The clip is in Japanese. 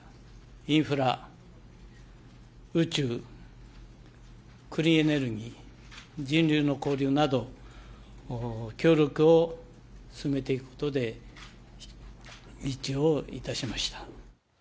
インフラ、宇宙、クリーンエネルギー、人流の交流など、協力を進めていくことで一致をいたしました。